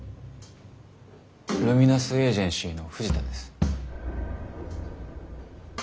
ルミナスエージェンシーの藤田です。